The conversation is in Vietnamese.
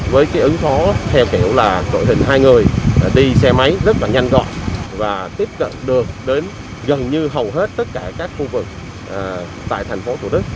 với ứng phó theo kiểu là đội hình hai người đi xe máy rất là nhanh gọn và tiếp cận được đến gần như hầu hết tất cả các khu vực tại tp thủ đức